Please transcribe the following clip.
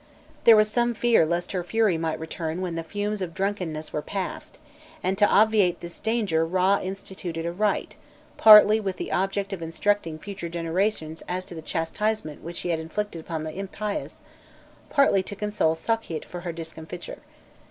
There was some fear lest her fury might return when the fumes of drunkenness were past, and to obviate this danger Râ instituted a rite, partly with the object of instructing future generations as to the chastisement which he had inflicted upon the impious, partly to console Sokhît for her discomfiture.